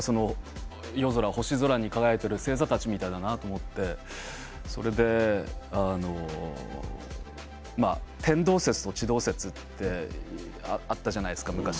夜空、星空に輝いている星座たちみたいだなと思ってそれで天動説と地動説ってあったじゃないですか昔。